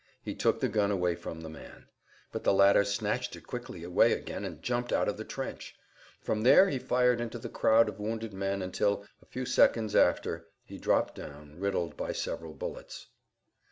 He took the gun away from the man. But the latter snatched it quickly away again and jumped out of the trench. From there he fired into the crowd of wounded men until, a few seconds after, he dropped down riddled by several bullets.